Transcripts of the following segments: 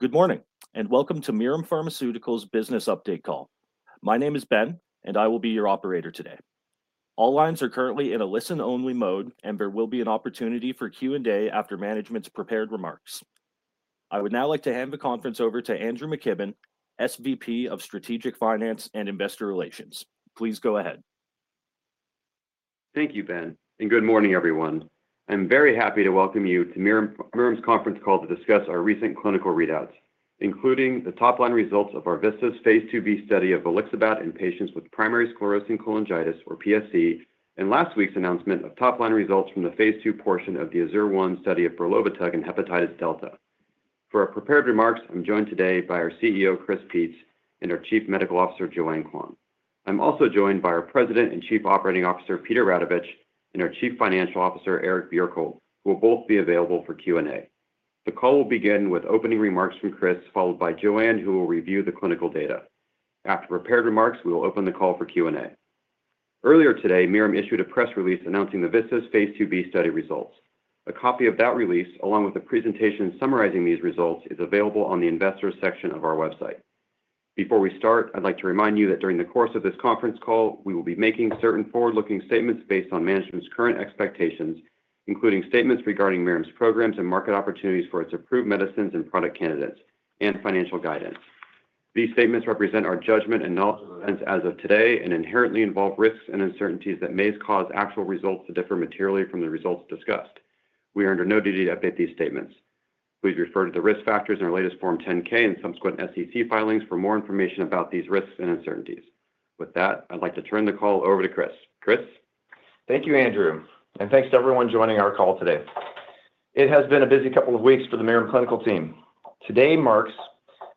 Good morning, and welcome to Mirum Pharmaceuticals' business update call. My name is Ben. I will be your operator today. All lines are currently in a listen-only mode. There will be an opportunity for Q&A after management's prepared remarks. I would now like to hand the conference over to Andrew McKibben, SVP of Strategic Finance and Investor Relations. Please go ahead. Thank you, Ben, and good morning, everyone. I'm very happy to welcome you to Mirum's conference call to discuss our recent clinical readouts, including the top-line results of our VISTAS phase II-B study of volixibat in patients with primary sclerosing cholangitis, or PSC, and last week's announcement of top-line results from the phase II portion of the AZURE-1 study of brelovitug in hepatitis delta. For our prepared remarks, I'm joined today by our CEO, Chris Peetz, and our Chief Medical Officer, Joanne Quan. I'm also joined by our President and Chief Operating Officer, Peter Radovich, and our Chief Financial Officer, Eric Bjerkholt, who will both be available for Q&A. The call will begin with opening remarks from Chris, followed by Joanne, who will review the clinical data. After prepared remarks, we will open the call for Q&A. Earlier today, Mirum issued a press release announcing the VISTAS Phase II-B study results. A copy of that release, along with a presentation summarizing these results, is available on the Investors section of our website. Before we start, I'd like to remind you that during the course of this conference call, we will be making certain forward-looking statements based on management's current expectations, including statements regarding Mirum's programs and market opportunities for its approved medicines and product candidates, and financial guidance. Inherently involve risks and uncertainties that may cause actual results to differ materially from the results discussed. We are under no duty to update these statements. Please refer to the risk factors in our latest Form 10-K and subsequent SEC filings for more information about these risks and uncertainties. With that, I'd like to turn the call over to Chris. Chris? Thank you, Andrew McKibben, and thanks to everyone joining our call today. It has been a busy couple of weeks for the Mirum clinical team. Today marks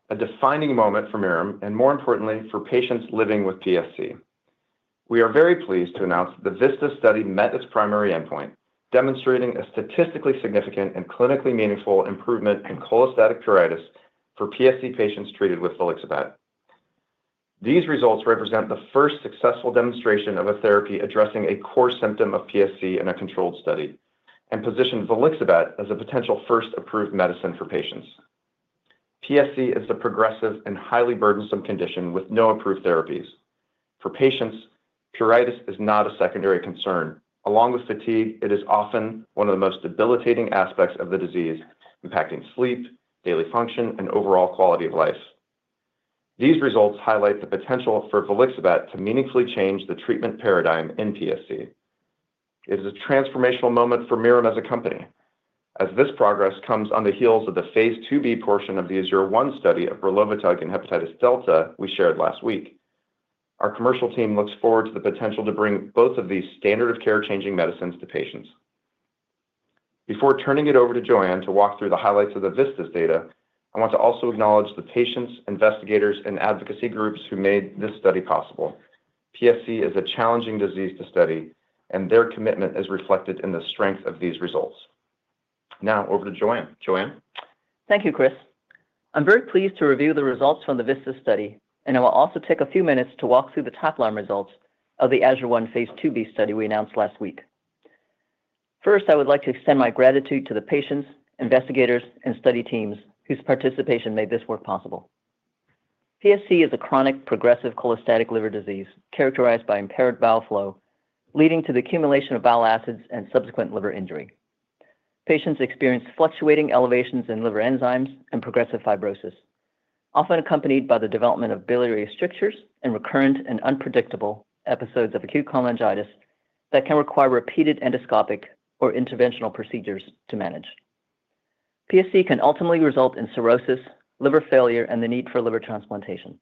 a defining moment for Mirum and, more importantly, for patients living with PSC. We are very pleased to announce that the VISTAS study met its primary endpoint, demonstrating a statistically significant and clinically meaningful improvement in cholestatic pruritus for PSC patients treated with volixibat. These results represent the first successful demonstration of a therapy addressing a core symptom of PSC in a controlled study and positions volixibat as a potential first approved medicine for patients. PSC is a progressive and highly burdensome condition with no approved therapies. For patients, pruritus is not a secondary concern. Along with fatigue, it is often one of the most debilitating aspects of the disease, impacting sleep, daily function, and overall quality of life. These results highlight the potential for volixibat to meaningfully change the treatment paradigm in PSC. It is a transformational moment for Mirum as a company, as this progress comes on the heels of the Phase II-B portion of the AZUR-1 study of brelovitug in hepatitis delta we shared last week. Our commercial team looks forward to the potential to bring both of these standard of care-changing medicines to patients. Before turning it over to Joanne to walk through the highlights of the VISTAS data, I want to also acknowledge the patients, investigators, and advocacy groups who made this study possible. PSC is a challenging disease to study, and their commitment is reflected in the strength of these results. Now over to Joanne. Joanne? Thank you, Chris. I'm very pleased to review the results from the VISTAS study, and I will also take a few minutes to walk through the top-line results of the AZUR-1 phase II-B study we announced last week. First, I would like to extend my gratitude to the patients, investigators, and study teams whose participation made this work possible. PSC is a chronic progressive cholestatic liver disease characterized by impaired bile flow, leading to the accumulation of bile acids and subsequent liver injury. Patients experience fluctuating elevations in liver enzymes and progressive fibrosis, often accompanied by the development of biliary strictures and recurrent and unpredictable episodes of acute cholangitis that can require repeated endoscopic or interventional procedures to manage. PSC can ultimately result in cirrhosis, liver failure, and the need for liver transplantation.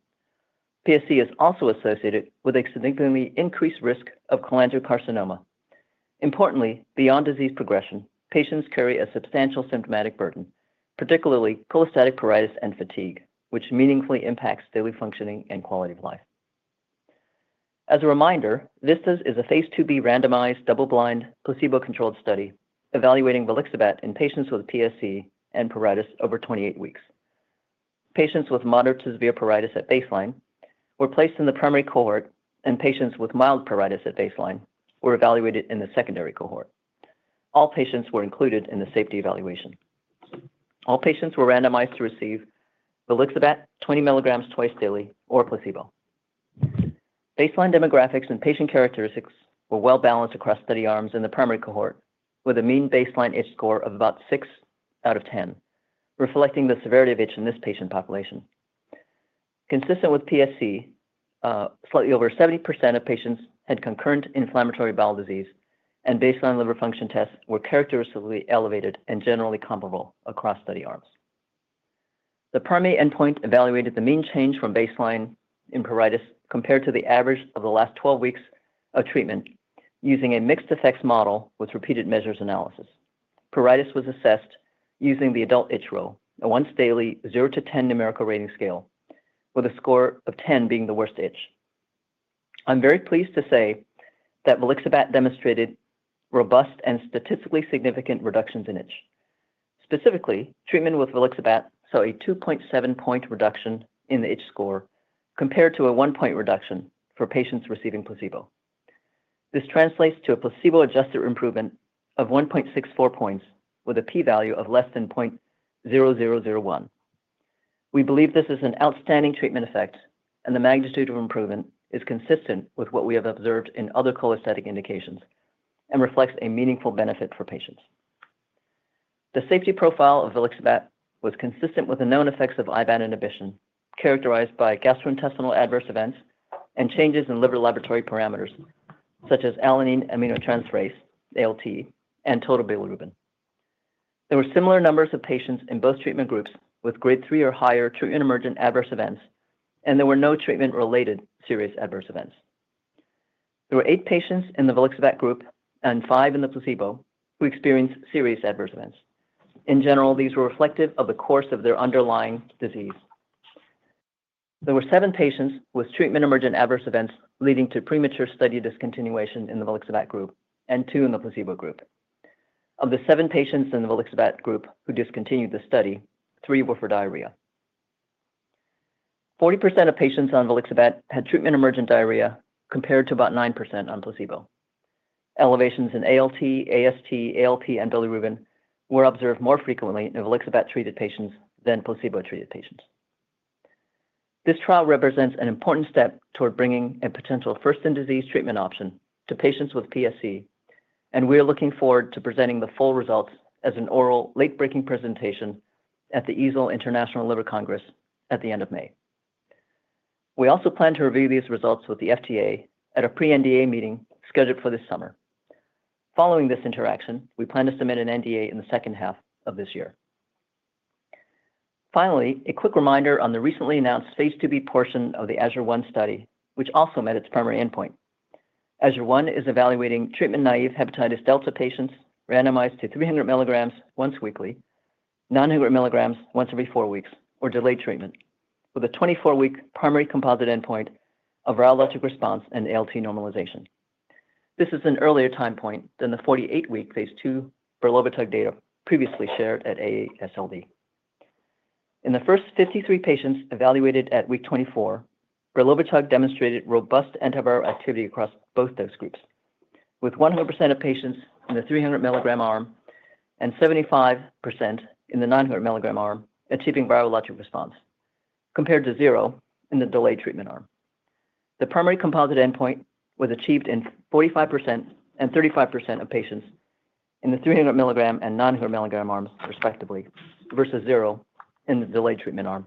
PSC is also associated with extremely increased risk of cholangiocarcinoma. Importantly, beyond disease progression, patients carry a substantial symptomatic burden, particularly cholestatic pruritus and fatigue, which meaningfully impacts daily functioning and quality of life. As a reminder, VISTAS is a phase II-B randomized, double-blind, placebo-controlled study evaluating volixibat in patients with PSC and pruritus over 28 weeks. Patients with moderate to severe pruritus at baseline were placed in the primary cohort, and patients with mild pruritus at baseline were evaluated in the secondary cohort. All patients were included in the safety evaluation. All patients were randomized to receive volixibat 20 milligrams twice daily or placebo. Baseline demographics and patient characteristics were well-balanced across study arms in the primary cohort, with a mean baseline itch score of about 6 out of 10, reflecting the severity of itch in this patient population. Consistent with PSC, slightly over 70% of patients had concurrent inflammatory bowel disease, and baseline liver function tests were characteristically elevated and generally comparable across study arms. The primary endpoint evaluated the mean change from baseline in pruritus compared to the average of the last 12 weeks of treatment using a mixed effects model with repeated measures analysis. Pruritus was assessed using the Adult Itch Reported Outcome, a once-daily 0-10 numerical rating scale, with a score of 10 being the worst itch. I'm very pleased to say that volixibat demonstrated robust and statistically significant reductions in itch. Specifically, treatment with volixibat saw a 2.7-point reduction in the itch score compared to a 1-point reduction for patients receiving placebo. This translates to a placebo-adjusted improvement of 1.64 points with a P value of less than .0001. We believe this is an outstanding treatment effect, the magnitude of improvement is consistent with what we have observed in other cholestatic indications and reflects a meaningful benefit for patients. The safety profile of volixibat was consistent with the known effects of IBAT inhibition, characterized by gastrointestinal adverse events and changes in liver laboratory parameters such as alanine aminotransferase, ALT, and total bilirubin. There were similar numbers of patients in both treatment groups with grade 3 or higher treatment emergent adverse events, there were no treatment-related serious adverse events. There were eight patients in the volixibat group and five in the placebo who experienced serious adverse events. In general, these were reflective of the course of their underlying disease. There were seven patients with treatment emergent adverse events leading to premature study discontinuation in the volixibat group and two in the placebo group. Of the seven patients in the volixibat group who discontinued the study, three were for diarrhea. 40% of patients on volixibat had treatment emergent diarrhea compared to about 9% on placebo. Elevations in ALT, AST, ALP, and bilirubin were observed more frequently in volixibat-treated patients than placebo-treated patients. This trial represents an important step toward bringing a potential first-in-disease treatment option to patients with PSC. We are looking forward to presenting the full results as an oral late-breaking presentation at the EASL International Liver Congress at the end of May. We also plan to review these results with the FDA at a pre-NDA meeting scheduled for this summer. Following this interaction, we plan to submit an NDA in the second half of this year. A quick reminder on the recently announced Phase II-B portion of the AZURE-1 study, which also met its primary endpoint. AZURE-1 is evaluating treatment-naive hepatitis delta patients randomized to 300 milligrams once weekly, 900 milligrams once every four weeks, or delayed treatment, with a 24-week primary composite endpoint of virologic response and ALT normalization. This is an earlier time point than the 48-week phase II brelovitug data previously shared at AASLD. In the first 53 patients evaluated at week 24, brelovitug demonstrated robust antiviral activity across both those groups, with 100% of patients in the 300 milligram arm and 75% in the 900 milligram arm achieving virologic response, compared to 0 in the delayed treatment arm. The primary composite endpoint was achieved in 45% and 35% of patients in the 300 milligram and 900 milligram arms, respectively, versus 0 in the delayed treatment arm.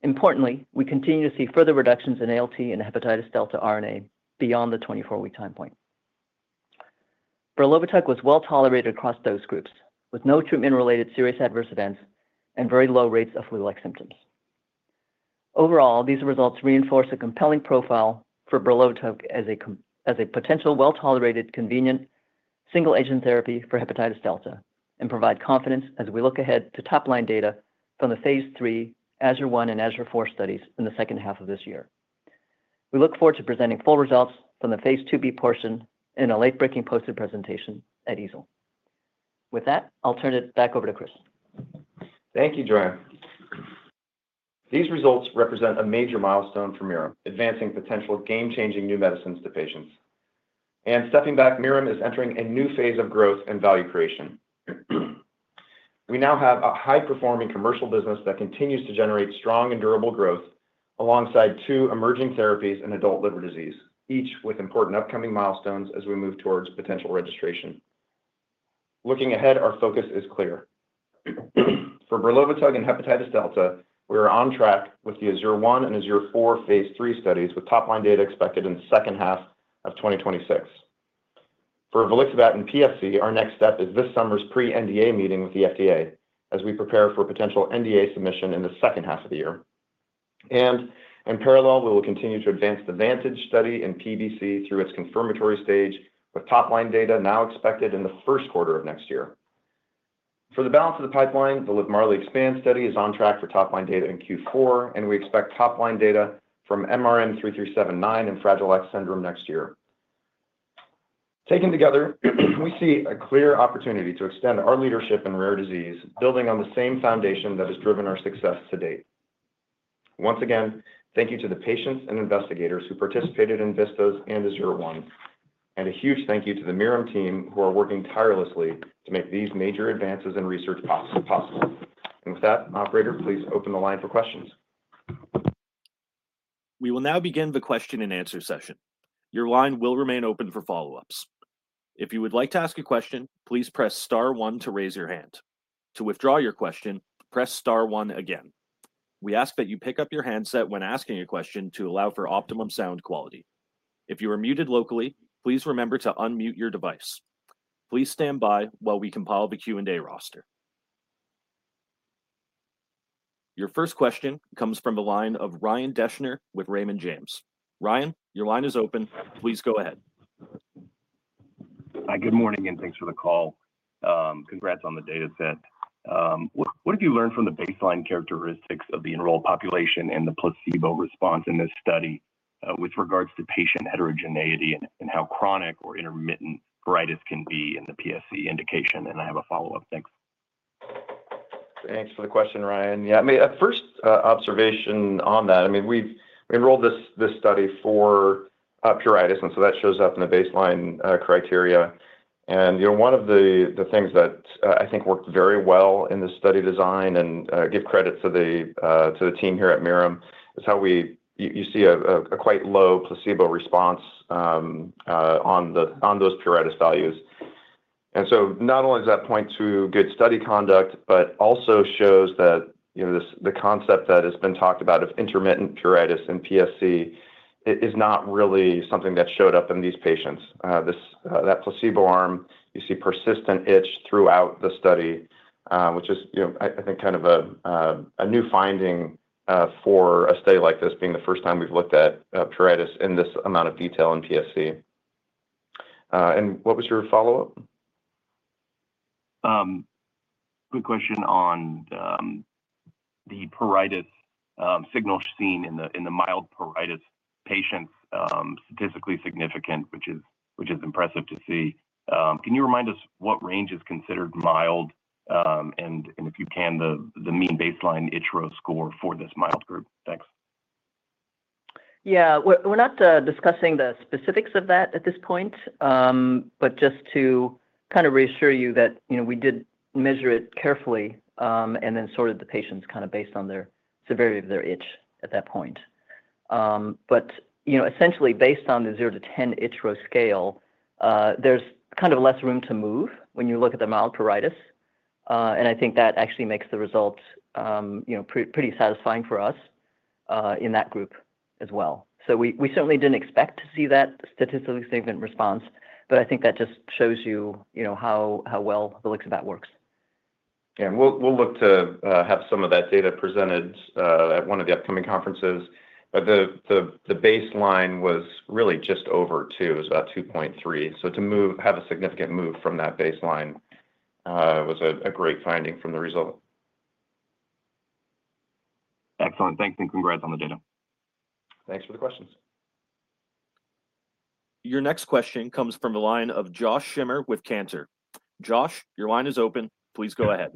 Importantly, we continue to see further reductions in ALT and hepatitis delta RNA beyond the 24-week time point. brelovitug was well tolerated across those groups, with no treatment-related serious adverse events and very low rates of flu-like symptoms. Overall, these results reinforce a compelling profile for brelovitug as a potential well-tolerated, convenient, single-agent therapy for hepatitis delta and provide confidence as we look ahead to top-line data from the Phase III AZURE-1 and AZURE-4 studies in the second half of this year. We look forward to presenting full results from the Phase II-B portion in a late-breaking posted presentation at EASL. With that, I'll turn it back over to Chris. Thank you, Joanne. These results represent a major milestone for Mirum, advancing potential game-changing new medicines to patients. Stepping back, Mirum is entering a new phase of growth and value creation. We now have a high-performing commercial business that continues to generate strong and durable growth alongside two emerging therapies in adult liver disease, each with important upcoming milestones as we move towards potential registration. Looking ahead, our focus is clear. For brelovitug and hepatitis delta, we are on track with the AZURE-1 and AZURE-4 phase III studies, with top-line data expected in the second half of 2026. For volixibat and PSC, our next step is this summer's pre-NDA meeting with the FDA as we prepare for potential NDA submission in the second half of the year. In parallel, we will continue to advance the VANTAGE study in PBC through its confirmatory stage, with top-line data now expected in the first quarter of next year. For the balance of the pipeline, the LIVMARLI EXPAND study is on track for top-line data in Q4, and we expect top-line data from MRM-3379 in Fragile X syndrome next year. Taken together, we see a clear opportunity to extend our leadership in rare disease, building on the same foundation that has driven our success to date. Once again, thank you to the patients and investigators who participated in VISTAS and AZURE-1, and a huge thank you to the Mirum team who are working tirelessly to make these major advances in research possible. With that, operator, please open the line for questions. We will now begin the question and answer session. Your line will remain open for follow-ups. If you would like to ask a question, please press star one to raise your hand. To withdraw your question, press star one again. We ask that you pick up your handset when asking a question to allow for optimum sound quality. If you are muted locally, please remember to unmute your device. Please stand by while we compile the Q&A roster. Your first question comes from the line of Ryan Deschner with Raymond James. Ryan, your line is open. Please go ahead. Hi, good morning, and thanks for the call. Congrats on the data set. What did you learn from the baseline characteristics of the enrolled population and the placebo response in this study with regards to patient heterogeneity and how chronic or intermittent pruritus can be in the PSC indication? I have a follow-up. Thanks Thanks for the question, Ryan. Yeah, I mean, a first observation on that, I mean, we've enrolled this study for pruritus, that shows up in the baseline criteria. You know, one of the things that I think worked very well in the study design and give credit to the team here at Mirum, is you see a quite low placebo response on those pruritus values. Not only does that point to good study conduct, but also shows that, you know, the concept that has been talked about of intermittent pruritus and PSC is not really something that showed up in these patients. This, that placebo arm, you see persistent itch throughout the study, which is, you know, I think kind of a new finding for a study like this, being the first time we've looked at pruritus in this amount of detail in PSC. What was your follow-up? Quick question on the pruritus signal seen in the mild pruritus patients, statistically significant, which is impressive to see. Can you remind us what range is considered mild, and if you can, the mean baseline ItchRO score for this mild group? Thanks. Yeah. We're not discussing the specifics of that at this point. Just to kind of reassure you that, you know, we did measure it carefully, and then sorted the patients kind of based on their severity of their itch at that point. You know, essentially, based on the 0 to 10 ItchRO scale, there's kind of less room to move when you look at the mild pruritus. I think that actually makes the results, you know, pretty satisfying for us in that group as well. We certainly didn't expect to see that statistically significant response, but I think that just shows you know, how well the look of that works. Yeah. We'll look to have some of that data presented at one of the upcoming conferences. The baseline was really just over 2. It was about 2.3. To have a significant move from that baseline was a great finding from the result. Excellent. Thanks and congrats on the data. Thanks for the questions. Your next question comes from the line of Josh Schimmer with Cantor Fitzgerald. Josh, your line is open. Please go ahead.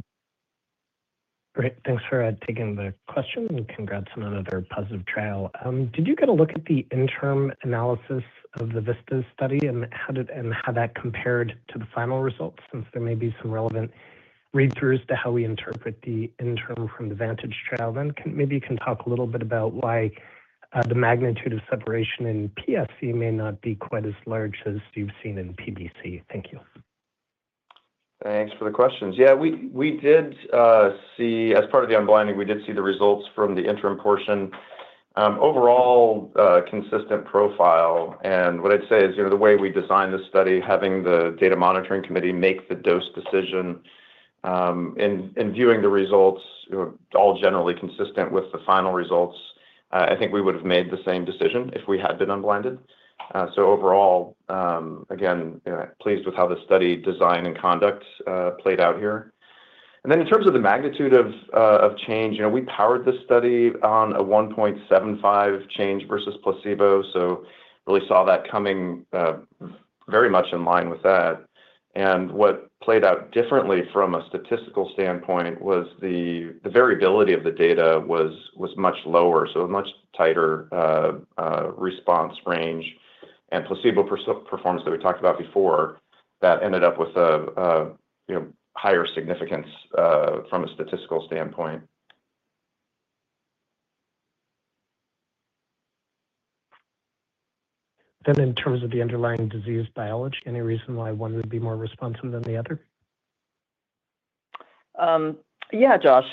Great. Thanks for taking the question, and congrats on another positive trial. Did you get a look at the interim analysis of the VISTAS study and how that compared to the final results, since there may be some relevant read-throughs to how we interpret the interim from the VANTAGE trial? Maybe you can talk a little bit about why the magnitude of separation in PSC may not be quite as large as you've seen in PBC. Thank you. Thanks for the questions. Yeah, we did, as part of the unblinding, we did see the results from the interim portion. Overall, consistent profile. What I'd say is, you know, the way we designed this study, having the data monitoring committee make the dose decision, in viewing the results, you know, all generally consistent with the final results, I think we would have made the same decision if we had been unblinded. Overall, again, you know, pleased with how the study design and conduct played out here. In terms of the magnitude of change, you know, we powered this study on a 1.75 change versus placebo, really saw that coming, very much in line with that. What played out differently from a statistical standpoint was the variability of the data was much lower, so a much tighter response range. Placebo performance that we talked about before, that ended up with a, you know, higher significance from a statistical standpoint. In terms of the underlying disease biology, any reason why one would be more responsive than the other? Josh,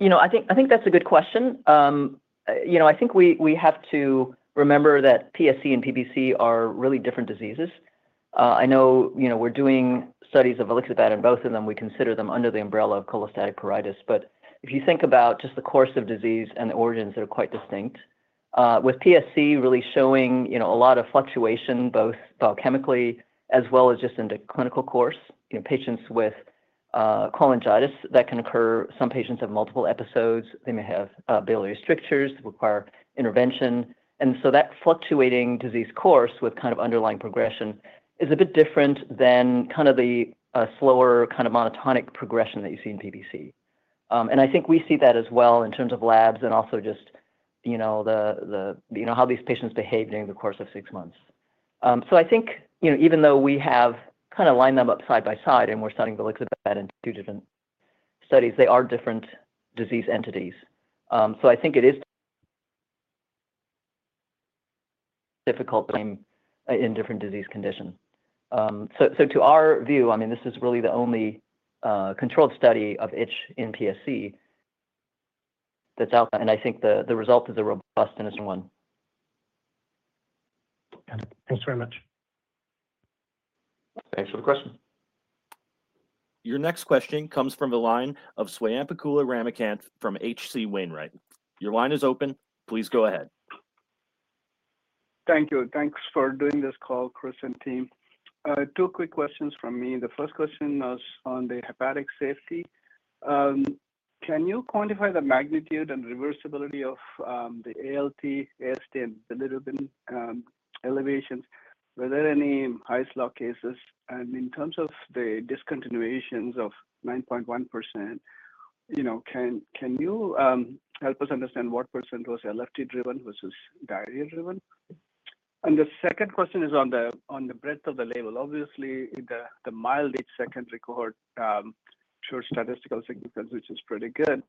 you know, I think that's a good question. You know, I think we have to remember that PSC and PBC are really different diseases. I know, you know, we're doing studies of volixibat in both of them. We consider them under the umbrella of cholestatic pruritus. If you think about just the course of disease and the origins, they're quite distinct. With PSC really showing, you know, a lot of fluctuation, both biochemically as well as just in the clinical course. You know, patients with cholangitis that can occur. Some patients have multiple episodes. They may have biliary strictures require intervention. That fluctuating disease course with kind of underlying progression is a bit different than kind of the slower kind of monotonic progression that you see in PBC. I think we see that as well in terms of labs and also just, you know, the, you know, how these patients behave during the course of six months. I think, you know, even though we have kind of lined them up side by side and we're studying the volixibat in two different studies, they are different disease entities. I think it is difficult to claim in different disease condition. To our view, I mean, this is really the only controlled study of itch in PSC that's out there, and I think the result is a robust and it's one. Got it. Thanks very much. Thanks for the question. Your next question comes from the line of Swayampakula Ramakanth from H.C. Wainwright & Co. Your line is open. Please go ahead. Thank you. Thanks for doing this call, Chris and team. two quick questions from me. The first question was on the hepatic safety. Can you quantify the magnitude and reversibility of the ALT, AST, and bilirubin elevations? Were there any Hy's Law cases? In terms of the discontinuations of 9.1%, you know, can you help us understand what percent was LFT driven versus diarrhea driven? The second question is on the breadth of the label. Obviously, the mild itch secondary cohort showed statistical significance, which is pretty good.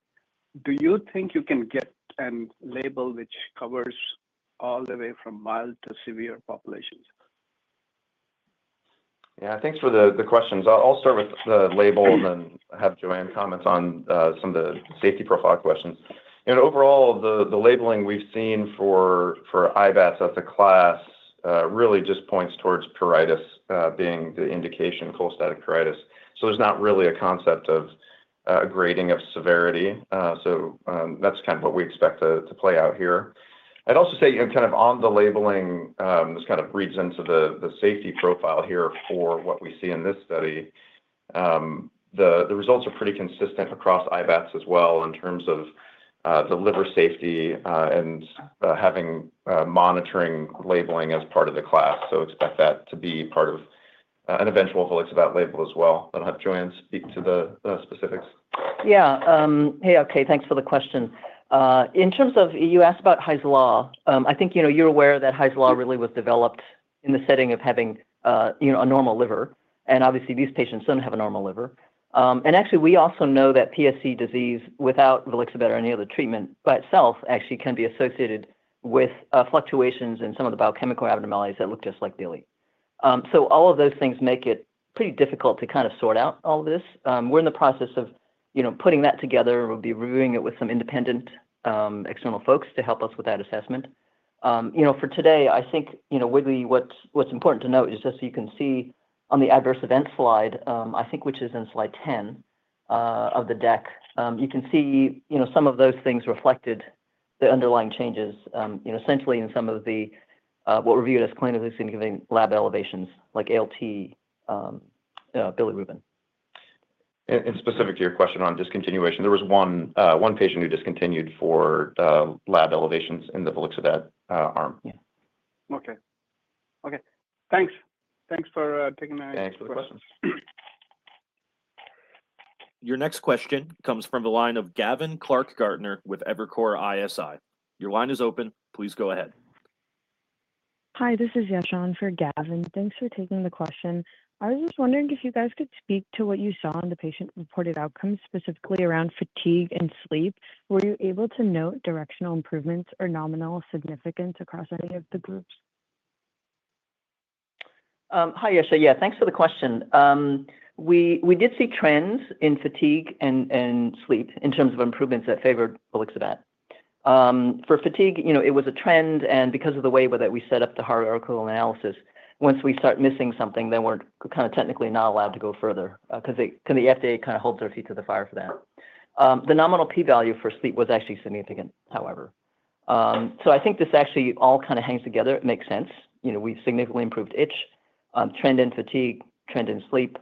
Do you think you can get a label which covers all the way from mild to severe populations? Yeah. Thanks for the questions. I'll start with the label and then have Joanne comment on some of the safety profile questions. You know, overall, the labeling we've seen for IBATs as a class really just points towards pruritus being the indication, cholestatic pruritus. There's not really a concept of grading of severity. That's kind of what we expect to play out here. I'd also say, you know, kind of on the labeling, this kind of reads into the safety profile here for what we see in this study. The results are pretty consistent across IBATs as well in terms of the liver safety and having monitoring labeling as part of the class. Expect that to be part of an eventual volixibat label as well. I'll have Joanne speak to the specifics. Thanks for the question. You asked about Hy's Law. I think, you know, you're aware that Hy's Law really was developed in the setting of having, you know, a normal liver, and obviously these patients don't have a normal liver. Actually we also know that PSC disease without volixibat or any other treatment by itself actually can be associated with fluctuations in some of the biochemical abnormalities that look dyslike Billy. All of those things make it pretty difficult to kind of sort out all this. We're in the process of, you know, putting that together. We'll be reviewing it with some independent, external folks to help us with that assessment. You know, for today, I think, you know, Wiggy, what's important to note is just so you can see on the adverse event slide, I think, which is in slide 10 of the deck, you can see, you know, some of those things reflected the underlying changes, you know, essentially in some of the, what we viewed as clinically significant lab elevations like ALT, bilirubin. Specific to your question on discontinuation, there was one patient who discontinued for lab elevations in the volixibat arm. Yeah. Okay. Okay. Thanks. Thanks for taking my questions. Thanks for the questions. Your next question comes from the line of Gavin Clark-Gartner with Evercore ISI. Your line is open. Please go ahead. Hi, this is Yesha on for Gavin. Thanks for taking the question. I was just wondering if you guys could speak to what you saw in the patient-reported outcomes, specifically around fatigue and sleep. Were you able to note directional improvements or nominal significance across any of the groups? Hi, Yesha. Thanks for the question. We did see trends in fatigue and sleep in terms of improvements that favored volixibat. For fatigue, you know, it was a trend and because of the way that we set up the hierarchical analysis, once we start missing something, then we're kinda technically not allowed to go further, because the FDA kinda holds our feet to the fire for that. The nominal P value for sleep was actually significant, however. I think this actually all kinda hangs together. It makes sense. You know, we significantly improved itch, trend in fatigue, trend in sleep.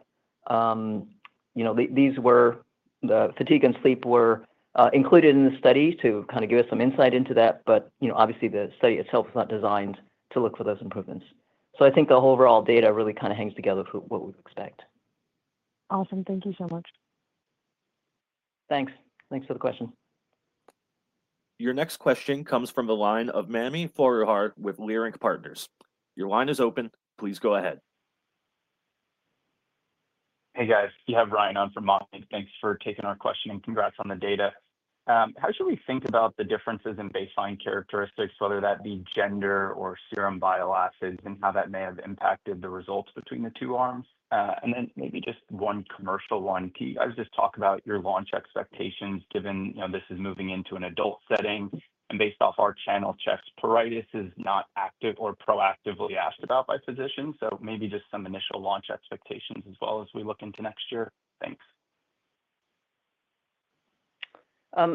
You know, the fatigue and sleep were included in the study to kind of give us some insight into that, but, you know, obviously, the study itself is not designed to look for those improvements. I think the overall data really kind of hangs together for what we would expect. Awesome. Thank you so much. Thanks. Thanks for the question. Your next question comes from the line of Mani Foroohar with Leerink Partners. Your line is open. Please go ahead. Hey, guys. You have Ryan on from Mani. Thanks for taking our question, and congrats on the data. How should we think about the differences in baseline characteristics, whether that be gender or serum bile acids, and how that may have impacted the results between the two arms? Then maybe just one commercial one. Can you guys just talk about your launch expectations given, you know, this is moving into an adult setting. Based off our channel checks, pruritus is not active or proactively asked about by physicians. Maybe just some initial launch expectations as well as we look into next year. Thanks.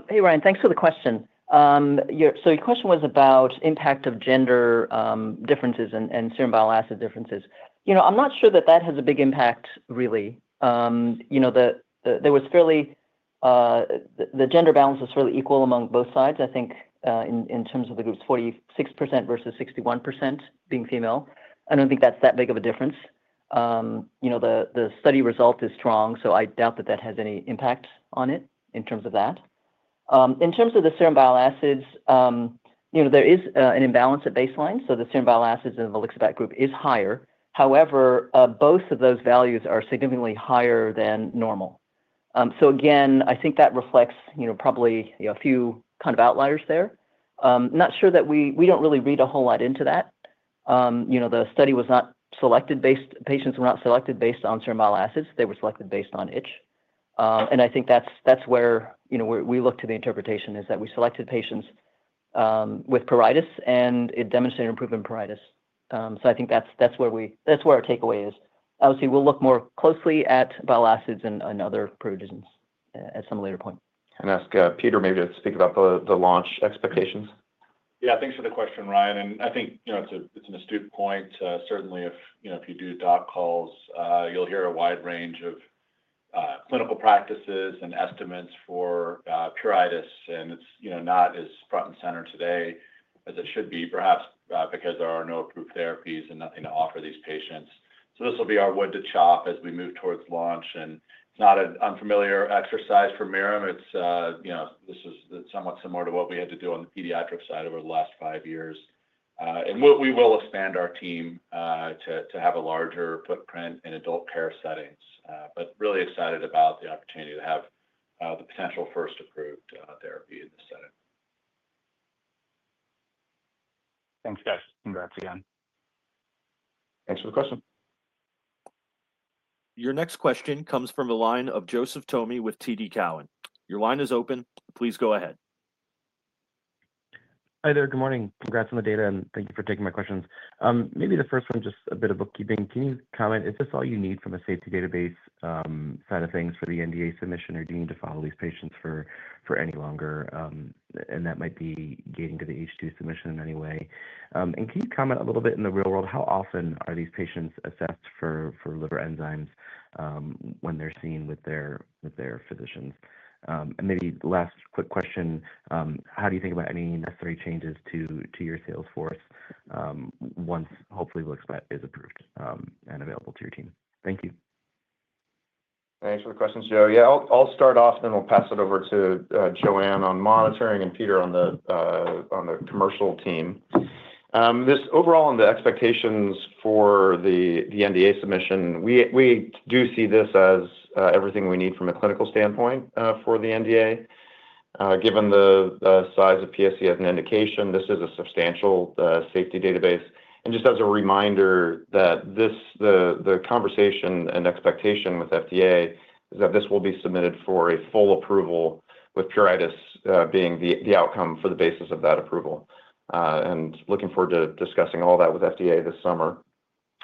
Hey, Ryan. Thanks for the question. Your question was about impact of gender differences and serum bile acid differences. You know, I'm not sure that that has a big impact really. You know, the gender balance was fairly equal among both sides, I think, in terms of the groups, 46% versus 61% being female. I don't think that's that big of a difference. You know, the study result is strong, I doubt that that has any impact on it in terms of that. In terms of the serum bile acids, you know, there is an imbalance at baseline, the serum bile acids in the volixibat group is higher. However, both of those values are significantly higher than normal. Again, I think that reflects, you know, probably, you know, a few kind of outliers there. We don't really read a whole lot into that. You know, patients were not selected based on serum bile acids. They were selected based on itch. I think that's where, you know, where we look to the interpretation is that we selected patients with pruritus, and it demonstrated improvement in pruritus. I think that's where we, that's where our takeaway is. Obviously, we'll look more closely at bile acids and other predictions at some later point. Ask Peter maybe to speak about the launch expectations. Yeah. Thanks for the question, Ryan. I think, you know, it's an astute point. Certainly if, you know, if you do doc calls, you'll hear a wide range of Clinical practices and estimates for pruritus and it's, you know, not as front and center today as it should be, perhaps, because there are no approved therapies and nothing to offer these patients. This will be our wood to chop as we move towards launch. It's not an unfamiliar exercise for Mirum. It's, you know, this is somewhat similar to what we had to do on the pediatric side over the last five years. And we'll, we will expand our team to have a larger footprint in adult care settings. Really excited about the opportunity to have the potential first approved therapy in this setting. Thanks, guys. Congrats again. Thanks for the question. Your next question comes from the line of Joseph Thome with TD Cowen. Your line is open. Please go ahead. Hi there. Good morning. Congrats on the data, and thank you for taking my questions. Maybe the first one, just a bit of bookkeeping. Can you comment, is this all you need from a safety database side of things for the NDA submission, or do you need to follow these patients for any longer, and that might be gating to the H2 submission in any way? Can you comment a little bit in the real world, how often are these patients assessed for liver enzymes when they're seen with their physicians? Maybe last quick question, how do you think about any necessary changes to your sales force once hopefully volixibat is approved and available to your team? Thank you. Thanks for the questions, Joe. I'll start off, we'll pass it over to Joanne on monitoring and Peter on the commercial team. This overall and the expectations for the NDA submission, we do see this as everything we need from a clinical standpoint for the NDA. Given the size of PSC as an indication, this is a substantial safety database. Just as a reminder that this conversation and expectation with FDA is that this will be submitted for a full approval with pruritus being the outcome for the basis of that approval. Looking forward to discussing all that with FDA this summer.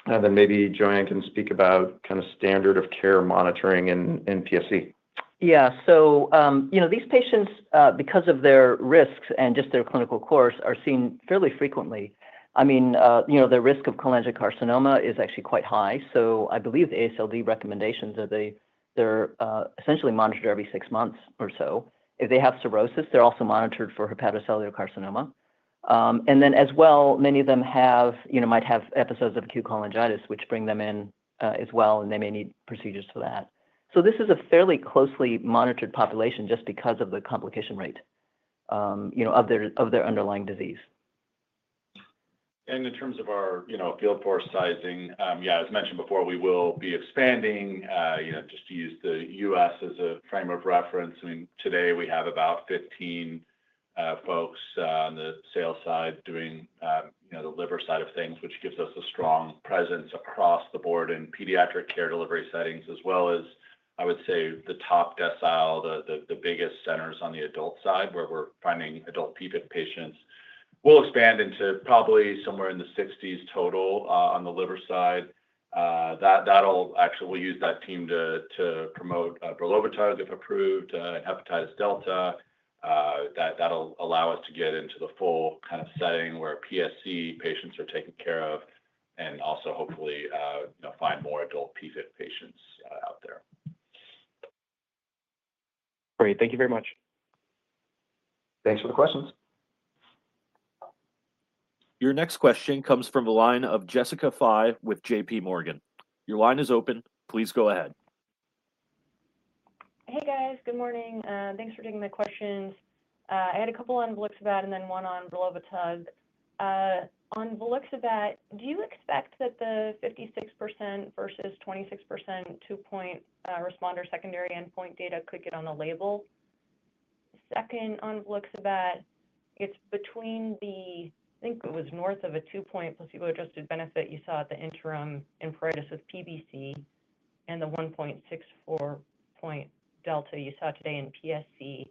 Then maybe Joanne can speak about kind of standard of care monitoring in PSC. Yeah. You know, these patients, because of their risks and just their clinical course, are seen fairly frequently. I mean, you know, their risk of cholangiocarcinoma is actually quite high. I believe the AASLD recommendations are they're essentially monitored every six months or so. If they have cirrhosis, they're also monitored for hepatocellular carcinoma. As well, many of them have, you know, might have episodes of acute cholangitis, which bring them in as well, and they may need procedures for that. This is a fairly closely monitored population just because of the complication rate, you know, of their underlying disease. In terms of our, you know, field force sizing, as mentioned before, we will be expanding. You know, just to use the U.S. as a frame of reference, I mean, today we have about 15 folks on the sales side doing, you know, the liver side of things, which gives us a strong presence across the board in pediatric care delivery settings, as well as, I would say, the top decile, the biggest centers on the adult side where we're finding adult PFIC patients. We'll expand into probably somewhere in the 60s total on the liver side. That'll actually, we'll use that team to promote brelovitug, if approved, in hepatitis delta. That'll allow us to get into the full kind of setting where PSC patients are taken care of and also hopefully, you know, find more adult PFIC patients out there. Great. Thank you very much. Thanks for the questions. Your next question comes from the line of Jessica Fye with JPMorgan. Your line is open. Please go ahead. Hey, guys. Good morning. Thanks for taking my questions. I had a couple on volixibat and then one on brelovitug. On volixibat, do you expect that the 56% versus 26% 2-point responder secondary endpoint data could get on the label? Second, on volixibat, it's between the, I think it was north of a 2-point placebo-adjusted benefit you saw at the interim in pruritus with PBC and the 1.64-point delta you saw today in PSC.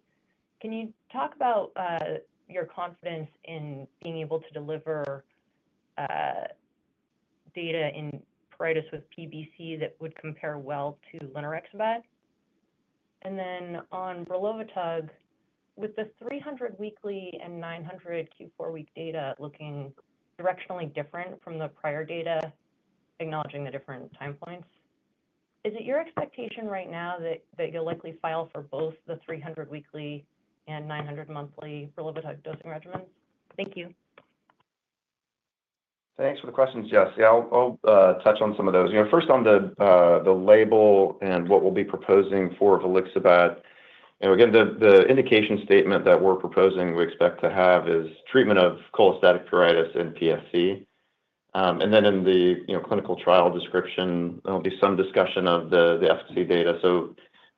Can you talk about your confidence in being able to deliver data in pruritus with PBC that would compare well to linerixibat? On brelovitug, with the 300 weekly and 900 Q4 week data looking directionally different from the prior data, acknowledging the different time points, is it your expectation right now that you'll likely file for both the 300 weekly and 900 monthly brelovitug dosing regimens? Thank you. Thanks for the questions, Jess. Yeah, I'll touch on some of those. You know, first on the label and what we'll be proposing for volixibat. You know, again, the indication statement that we're proposing we expect to have is treatment of cholestatic pruritus and PSC. Then in the, you know, clinical trial description, there'll be some discussion of the FTC data.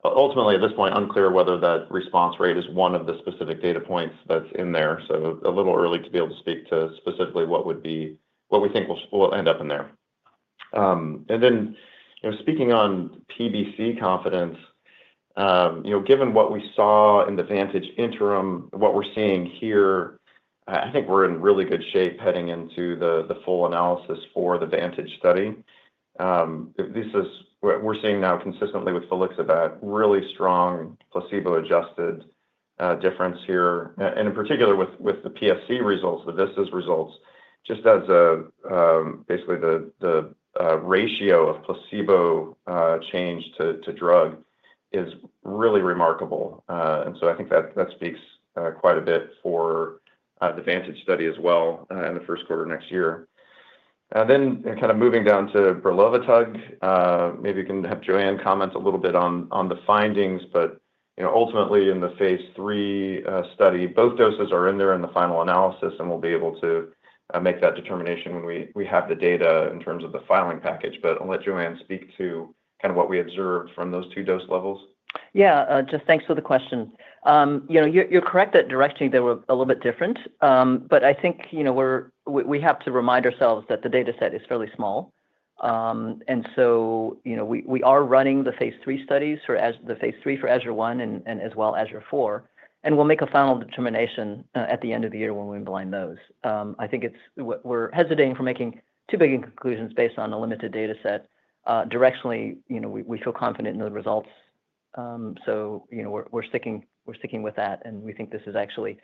Ultimately, at this point, unclear whether that response rate is one of the specific data points that's in there. A little early to be able to speak to specifically what we think will end up in there. You know, speaking on PBC confidence, you know, given what we saw in the VANTAGE interim, what we're seeing here, I think we're in really good shape heading into the full analysis for the VANTAGE study. This is what we're seeing now consistently with volixibat, really strong placebo-adjusted. A difference here. In particular with the PSC results, the VISTAS results, just as a basically the ratio of placebo change to drug is really remarkable. I think that speaks quite a bit for the VANTAGE study as well in the first quarter next year. Kind of moving down to bulevirtide, maybe you can have Joanne comment a little bit on the findings. You know, ultimately in the phase III study, both doses are in there in the final analysis, and we'll be able to make that determination when we have the data in terms of the filing package. I'll let Joanne speak to kind of what we observed from those two dose levels. Yeah. Jessica, thanks for the question. You know, you're correct that directionally they were a little bit different. I think, you know, we have to remind ourselves that the dataset is fairly small. You know, we are running the phase III studies for the phase III for AZURE-1 and as well AZURE-4, and we'll make a final determination at the end of the year when we unblind those. I think we're hesitating from making too big conclusions based on a limited dataset. Directionally, you know, we feel confident in the results. You know, we're sticking with that, and we think this is actually,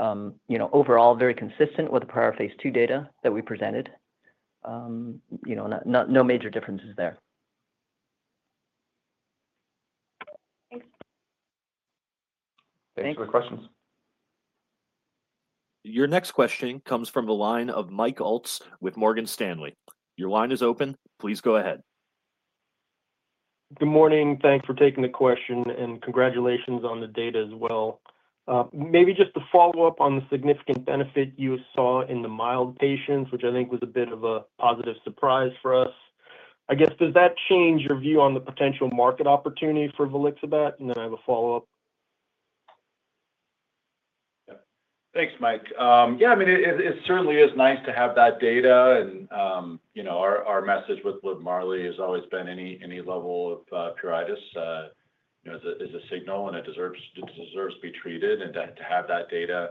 you know, overall very consistent with the prior phase II data that we presented. no major differences there. Thanks. Thanks for the questions. Your next question comes from the line of Mike Hall with Morgan Stanley. Your line is open. Please go ahead. Good morning. Thanks for taking the question, and congratulations on the data as well. Maybe just to follow up on the significant benefit you saw in the mild patients, which I think was a bit of a positive surprise for us. I guess, does that change your view on the potential market opportunity for brelovitug? Then I have a follow-up. Yeah. Thanks, Mike. Yeah, I mean, it certainly is nice to have that data and, you know, our message with LIVMARLI has always been any level of pruritus, you know, is a, is a signal, and it deserves to be treated. To have that data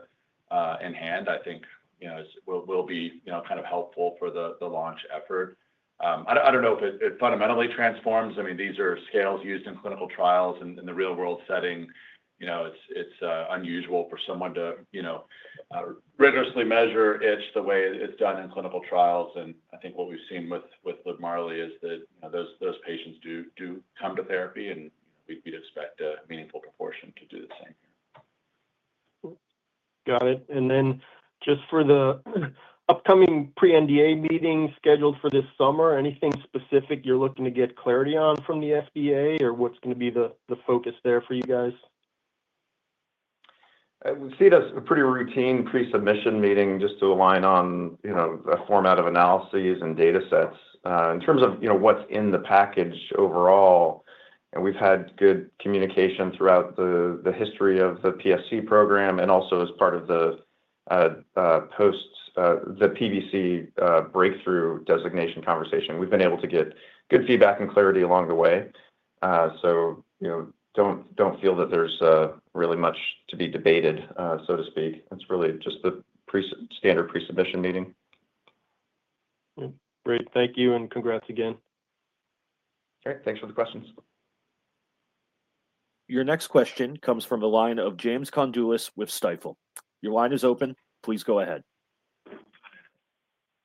in hand, I think, you know, will be, you know, kind of helpful for the launch effort. I don't know if it fundamentally transforms. I mean, these are scales used in clinical trials in the real world setting. You know, it's unusual for someone to, you know, rigorously measure itch the way it's done in clinical trials. I think what we've seen with LIVMARLI is that, you know, those patients do come to therapy, and we'd expect a meaningful proportion to do the same here. Got it. Just for the upcoming pre-NDA meeting scheduled for this summer, anything specific you're looking to get clarity on from the FDA, or what's gonna be the focus there for you guys? I would see it as a pretty routine pre-submission meeting just to align on, you know, a format of analyses and datasets. In terms of, you know, what's in the package overall, and we've had good communication throughout the history of the PSC program and also as part of the post the PBC Breakthrough Therapy Designation conversation. We've been able to get good feedback and clarity along the way. You know, don't feel that there's really much to be debated, so to speak. It's really just the standard pre-submission meeting. Great. Thank you, and congrats again. Thanks for the questions. Your next question comes from the line of James Condulis with Stifel. Your line is open. Please go ahead.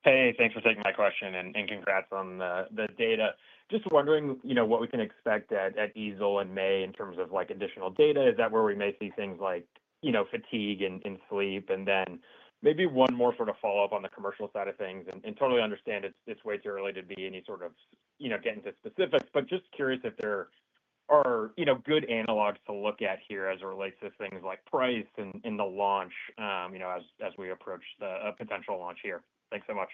Hey, thanks for taking my question and congrats on the data. Just wondering, you know, what we can expect at EASL in May in terms of like, additional data. Is that where we may see things like, you know, fatigue and sleep? Then maybe one more sort of follow-up on the commercial side of things. Totally understand it's way too early to be any sort of, you know, get into specifics, but just curious if there are, you know, good analogs to look at here as it relates to things like price and the launch, you know, as we approach a potential launch here. Thanks so much.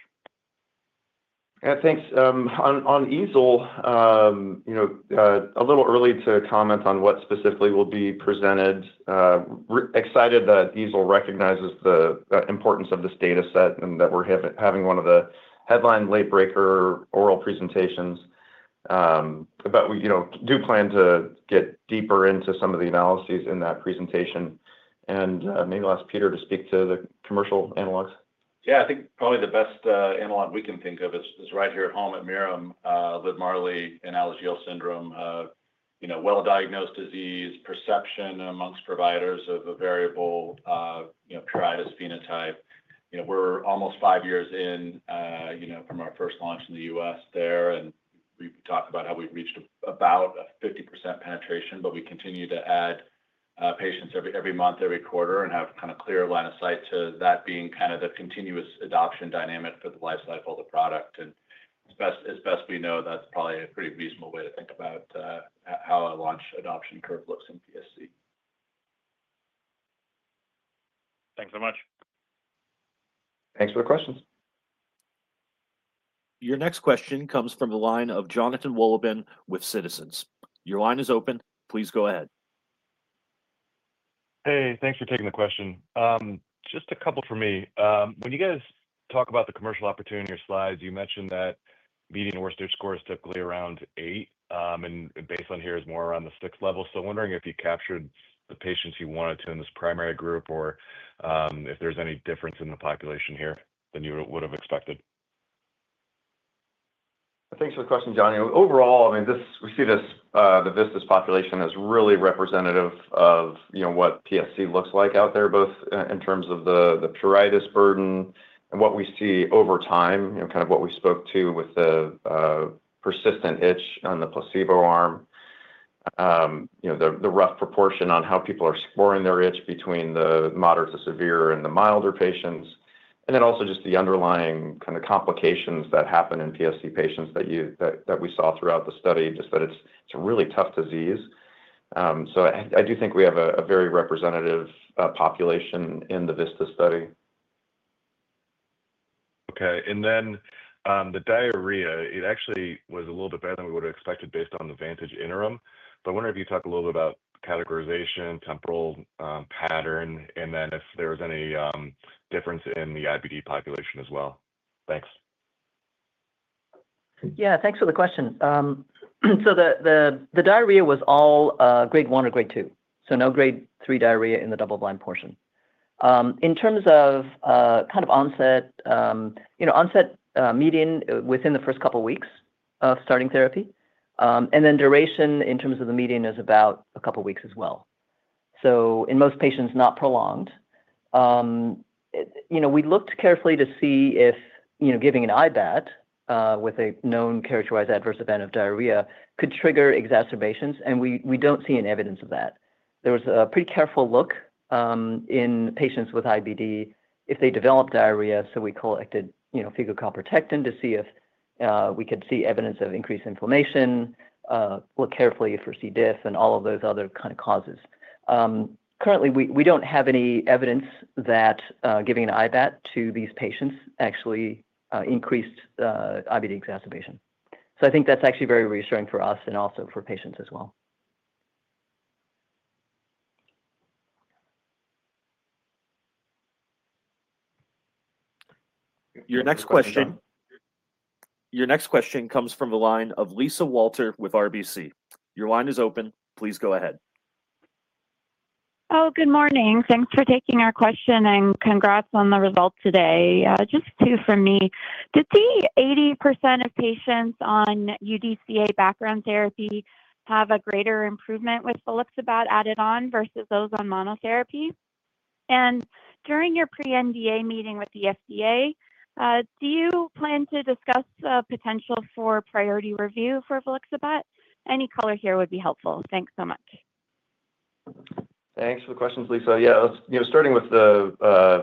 Thanks. On EASL, you know, a little early to comment on what specifically will be presented. Excited that EASL recognizes the importance of this dataset and that we're having one of the headline late breaker oral presentations. We, you know, do plan to get deeper into some of the analyses in that presentation. Maybe I'll ask Peter to speak to the commercial analogs. I think probably the best analog we can think of is right here at home at Mirum. LIVMARLI in Alagille syndrome, you know, well-diagnosed disease, perception amongst providers of a variable, you know, pruritus phenotype. You know, we're almost five years in, you know, from our first launch in the U.S. there, and we've talked about how we've reached about a 50% penetration. We continue to add patients every month, every quarter, and have kind of clear line of sight to that being kind of the continuous adoption dynamic for the lifecycle of the product. As best we know, that's probably a pretty reasonable way to think about how a launch adoption curve looks in PSC. Thanks so much. Thanks for the questions. Your next question comes from the line of Jonathan Wolleben with Citizens. Your line is open. Please go ahead. Hey, thanks for taking the question. Just a couple for me. When you guys talk about the commercial opportunity in your slides, you mentioned that median worst itch score is typically around eight, and baseline here is more around the 6 level. Wondering if you captured the patients you wanted to in this primary group or, if there's any difference in the population here than you would have expected? Thanks for the question, Johnny. Overall, I mean, we see this, the VISTAS population as really representative of, you know, what PSC looks like out there, both in terms of the pruritus burden and what we see over time. You know, kind of what we spoke to with the persistent itch on the placebo arm. You know, the rough proportion on how people are scoring their itch between the moderate to severe and the milder patients. Then also just the underlying kind of complications that happen in PSC patients that we saw throughout the study, just that it's a really tough disease. I do think we have a very representative population in the VISTAS study. Okay. The diarrhea, it actually was a little bit better than we would've expected based on the VANTAGE interim. I wonder if you talk a little bit about categorization, temporal pattern, if there was any difference in the IBD population as well. Thanks. Thanks for the question. The diarrhea was all grade 1 or grade 2, no grade 3 diarrhea in the double blind portion. In terms of kind of onset, you know, onset median within the first couple weeks of starting therapy. Duration in terms of the median is about a couple weeks as well. In most patients, not prolonged. It, you know, we looked carefully to see if, you know, giving an IBAT with a known characterized adverse event of diarrhea could trigger exacerbations, and we don't see an evidence of that. There was a pretty careful look, in patients with IBD if they developed diarrhea, so we collected, you know, fecal calprotectin to see if we could see evidence of increased inflammation, look carefully for Clostridioides difficile and all of those other kind of causes. Currently we don't have any evidence that giving an IBAT to these patients actually increased IBD exacerbation. I think that's actually very reassuring for us and also for patients as well. Your next question. Thanks for the question, John. Your next question comes from the line of Lisa Walter with RBC. Your line is open. Please go ahead. Good morning. Thanks for taking our question and congrats on the results today. Just two from me. Did the 80% of patients on UDCA background therapy have a greater improvement with volixibat added on versus those on monotherapy? During your pre-NDA meeting with the FDA, do you plan to discuss the potential for priority review for volixibat? Any color here would be helpful. Thanks so much. Thanks for the questions, Lisa. Let's, you know, starting with the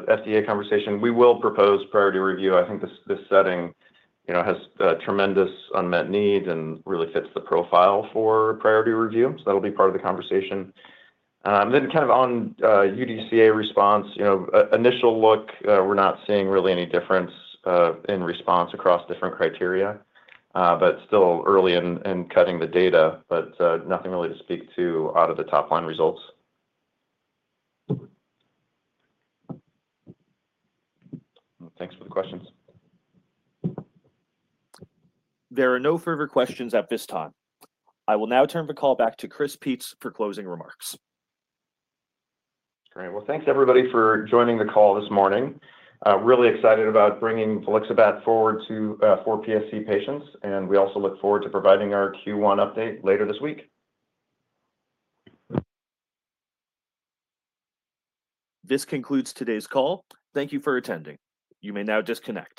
FDA conversation, we will propose priority review. I think this setting, you know, has tremendous unmet need and really fits the profile for priority review, so that'll be part of the conversation. Kind of on UDCA response, you know, initial look, we're not seeing really any difference in response across different criteria. Still early in cutting the data, but nothing really to speak to out of the top line results. Well, thanks for the questions. There are no further questions at this time. I will now turn the call back to Chris Peetz for closing remarks. Great. Well, thanks everybody for joining the call this morning. Really excited about bringing volixibat forward to for PSC patients, and we also look forward to providing our Q1 update later this week. This concludes today's call. Thank you for attending. You may now disconnect.